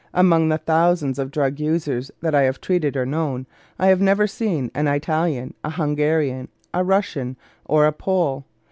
Among the thousands of drug users that I have treated or known, I have never seen an Italian, a Hungarian, a Russian, or a Pole.